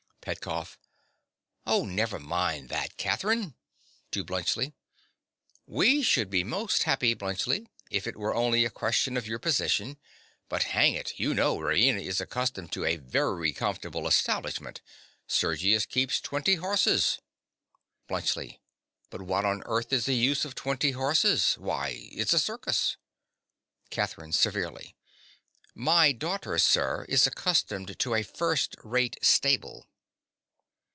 PETKOFF. Oh, never mind that, Catherine. (To Bluntschli.) We should be most happy, Bluntschli, if it were only a question of your position; but hang it, you know, Raina is accustomed to a very comfortable establishment. Sergius keeps twenty horses. BLUNTSCHLI. But what on earth is the use of twenty horses? Why, it's a circus. CATHERINE. (severely). My daughter, sir, is accustomed to a first rate stable.